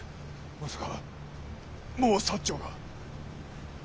まさかもう長が。